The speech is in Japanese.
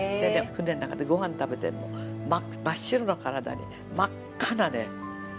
船の中でごはん食べてるの真っ白な体に真っ赤なね